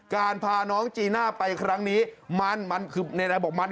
การพาน้องจีน่าไปครั้งนี้มันมันคืออะไรบอกมัน